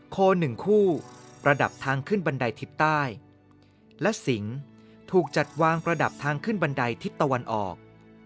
๑คู่ประดับทางขึ้นบันไดทิศใต้และสิงถูกจัดวางประดับทางขึ้นบันไดทิศตะวันออก